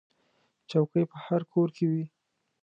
چوکۍ په هر کور کې وي.